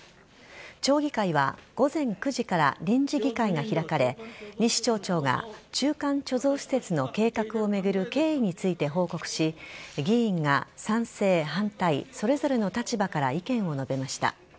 町議会は午前９時から臨時議会が開かれ西町長が、中間貯蔵施設の計画を巡る経緯について報告し議員が賛成、反対それぞれの立場から意見を述べました。